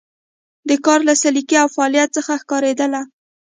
د کار له سلیقې او فعالیت څخه ښکارېدله.